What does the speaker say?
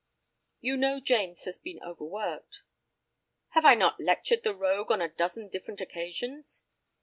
"You know James has been overworked." "Have I not lectured the rogue on a dozen different occasions?"